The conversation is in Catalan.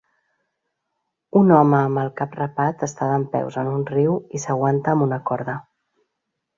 Un home amb el cap rapat està dempeus en un riu i s'aguanta amb una corda.